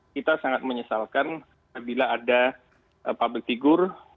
kita sangat menyesalkan bila ada public figure